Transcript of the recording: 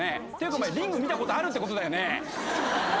お前『リング』見たことあるってことだよね？